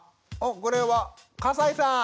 これは笠井さん。